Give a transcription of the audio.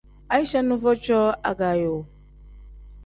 Aicha nuvo cooo agaayo.